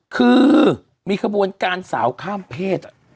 คือมีขบวนการสาวข้ามเพศ